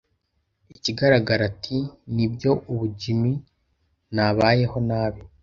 ikigaragara. Ati: “Nibyo, ubu, Jim, nabayeho nabi